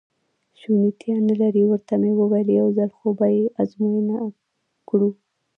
شونېتیا نه لري، ورته مې وویل: یو ځل خو به یې ازموینه کړو.